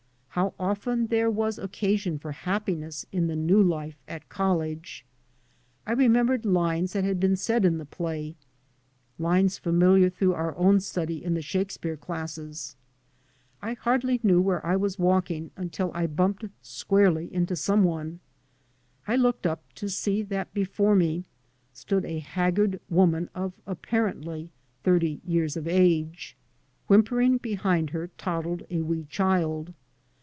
How often there was occasion for happiness in the new life at college I I remembered lines that had been said in the play, lines familiar through our own study in the Shakespeare classes. I hardly knew where I was walking until I bumped squarely into some one. I looked up to see that before me stood a haggard woman of, apparently, thirty years of age. Whim pering behind her toddled a wee child.